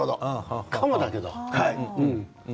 かもだけど。